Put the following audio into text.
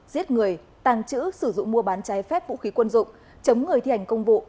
giết người tàng trữ sử dụng mua bán trái phép vũ khí quân dụng chống người thi hành công vụ